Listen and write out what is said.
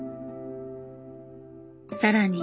更に。